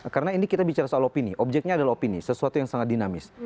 karena ini kita bicara soal opini objeknya adalah opini sesuatu yang sangat dinamis